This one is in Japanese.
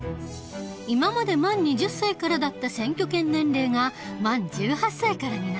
今まで満２０歳からだった選挙権年齢が満１８歳からになった。